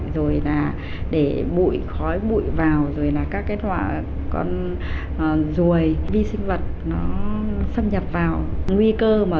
rồi là để bụi khói bụi vào rồi là các cái hỏa con ruồi vi sinh vật nó xâm nhập vào nguy cơ mà